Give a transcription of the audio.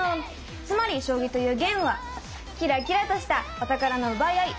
つまり将棋というゲームはキラキラとしたお宝の奪い合い。